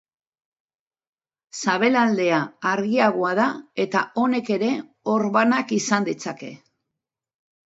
Sabelaldea argiagoa da eta honek ere orbanak izan ditzake.